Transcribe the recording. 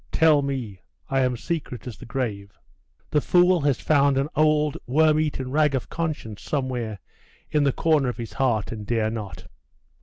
Tell me. I am secret as the grave!' 'The fool has found an old worm eaten rag of conscience somewhere in the corner of his heart, and dare not.